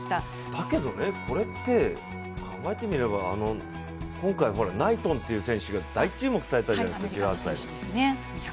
だけどねこれって考えてみれば今回、ナイトンっていう選手が大注目されたじゃないですか１８歳の。